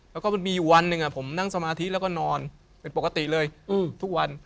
แล้วก็มันมีอยู่วันหนึ่งผมนั่งสมาธิแล้วก็นอนเป็นปกติเลยทุกวัน